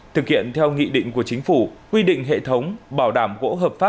thực hiện theo nghị định của chính phủ quy định hệ thống bảo đảm gỗ hợp pháp